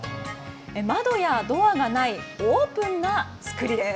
窓やドアがないオープンな作りです。